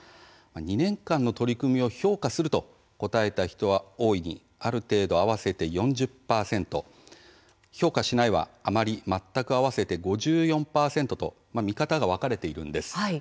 ２年間の取り組みを「評価する」と答えた人は「大いに」「ある程度」合わせて４０％「評価しない」は「あまり」「全く」合わせて５４％と見方が分かれているんです。